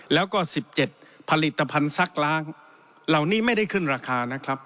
แล้วก็๑๗ผลิตภัณฑ์ซักล้างเหล่านี้ไม่ได้ขึ้นราคานะครับ